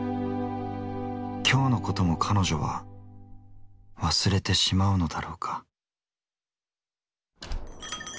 今日のこともカノジョは忘れてしまうのだろうか。